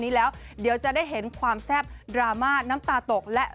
นี้แล้วเดี๋ยวจะได้เห็นความแซ่บดราม่าน้ำตาตกและ